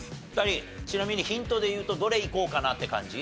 ちなみにヒントでいうとどれいこうかなって感じ？